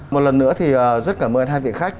một lần nữa thì rất cảm ơn hai vị khách